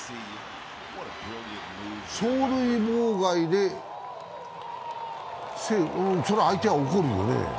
走塁妨害で、それは相手は怒るよね